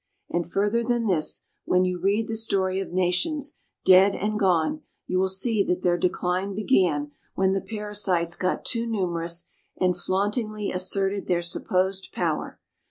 And further than this, when you read the story of nations dead and gone you will see that their decline began when the parasites got too numerous and flauntingly asserted their supposed power.